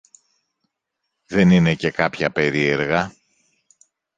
Δεν είναι και κάποια περίεργα